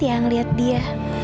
yang ngeliat dia